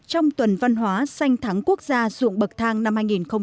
trong tuần văn hóa sanh thắng quốc gia dụng bậc thang năm hai nghìn một mươi bảy